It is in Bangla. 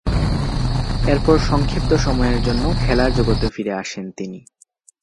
এরপর সংক্ষিপ্ত সময়ের জন্য খেলার জগতে ফিরে আসেন তিনি।